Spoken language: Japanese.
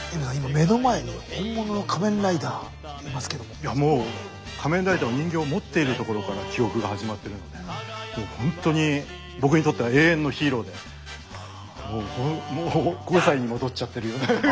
いやもう仮面ライダーの人形を持っているところから記憶が始まってるのでもうほんとに僕にとっては永遠のヒーローでもう５歳に戻っちゃってるようなぐらいの。